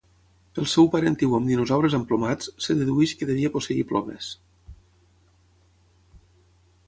Pel seu parentiu amb dinosaures emplomats, es dedueix que devia posseir plomes.